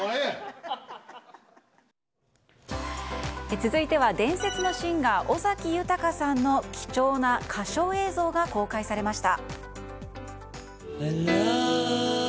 続いては伝説のシンガー尾崎豊さんの貴重な歌唱映像が公開されました。